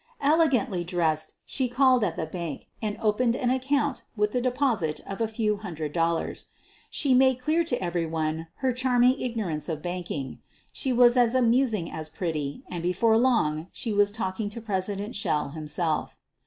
Elegantly dressed she called at the bank and opened an account with the deposit of a few hun dred dollars. She made clear to everyone her charming ignorance of banking. She was as amus ing as pretty, and before long she was talking to President Schell himself.